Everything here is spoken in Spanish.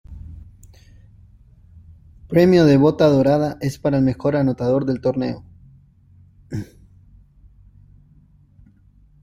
El premio de bota dorada es para el mejor anotador del torneo.